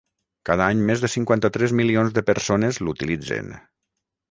Cada any més de cinquanta-tres milions de persones l’utilitzen.